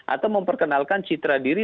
atau memperkenalkan citra diri